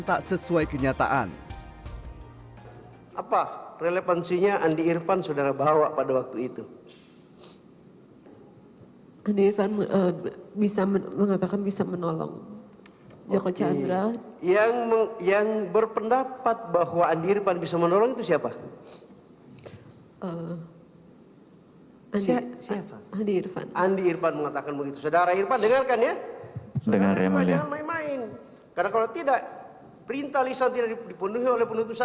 karena kalau tidak perintah lisan tidak dipenuhi oleh penutusan